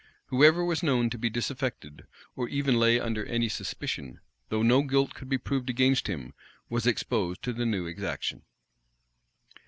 Whoever was known to be disaffected, or even lay under any suspicion, though no guilt could be proved against him, was exposed to the new exaction.